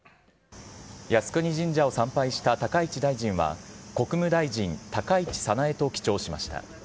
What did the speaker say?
靖国神社を参拝した高市大臣は、国務大臣高市早苗と記帳しました。